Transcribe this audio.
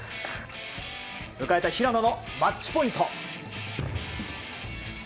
迎えた平野のマッチポイント。